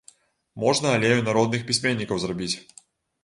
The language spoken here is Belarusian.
Можна алею народных пісьменнікаў зрабіць.